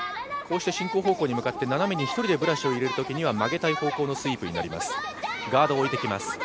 こうして進行方向に向かって斜めに１人でブラシを入れるときには曲げたい方向のスイープになります。